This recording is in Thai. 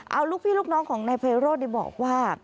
เอาลูกพี่ลูกน้องของนายไพโรธบอกว่า